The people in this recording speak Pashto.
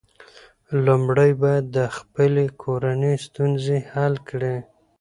لومړی باید د خپلې کورنۍ ستونزې حل کړې.